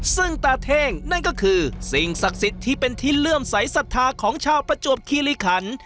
ซึ่งตาเท่งนั่นก็คือสิ่งศักดิ์สิทธิ์ที่เป็นที่เลื่อมใสสัทธาของชาวประจวบคิริขัน